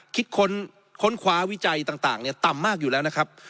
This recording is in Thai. ค้นคว้าวิจัยต่างต่ำมากอยู่แล้วนะครับ